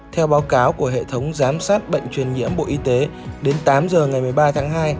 theo báo cáo của hệ thống giám sát bệnh truyền nhiễm bộ y tế đến tám h ngày một mươi ba tháng hai